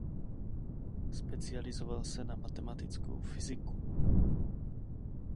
Specializoval se na matematickou fyziku.